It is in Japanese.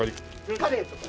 カレイとか。